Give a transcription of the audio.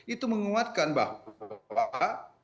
itu menguatkan bahwa